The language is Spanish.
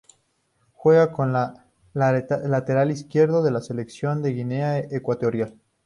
Juega como lateral izquierdo en la selección de Guinea Ecuatorial.